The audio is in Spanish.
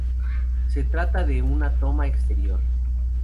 Se trata de una toma exterior.